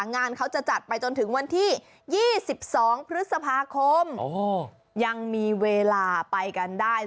งานเขาจะจัดไปจนถึงวันที่๒๒พฤษภาคมยังมีเวลาไปกันได้